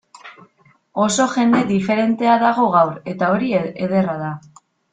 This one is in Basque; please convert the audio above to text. Oso jende diferentea dago gaur, eta hori ederra da.